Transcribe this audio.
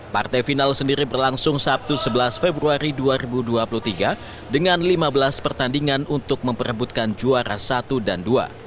partai final sendiri berlangsung sabtu sebelas februari dua ribu dua puluh tiga dengan lima belas pertandingan untuk memperebutkan juara satu dan dua